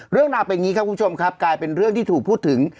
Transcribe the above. เรื่องราวเป็นอย่างนี้ครับคุณผู้ชมครับกลายเป็นเรื่องที่ถูกพูดถึง